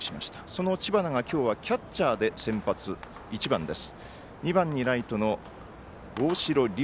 その知花が今日はキャッチャーで先発、１番です。